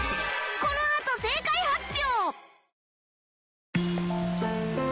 このあと正解発表！